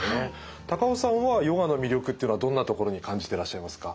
高尾さんはヨガの魅力っていうのはどんなところに感じてらっしゃいますか？